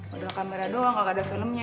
modal kamera doang ga ada filmnya